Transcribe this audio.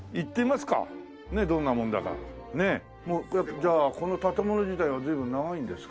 じゃあこの建物自体は随分長いんですか？